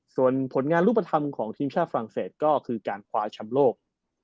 ส่วนผลงานรูปธรรมของทีมชาติฝรั่งเศสก็คือการคว้าชำโลก